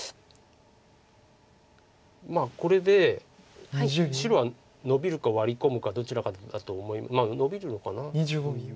まあこれで白はノビるかワリ込むかどちらかだと。ノビるのかな。